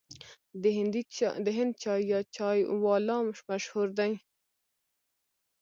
د هند چای یا چای والا مشهور دی.